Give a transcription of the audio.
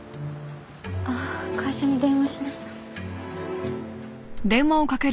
ああ会社に電話しないと。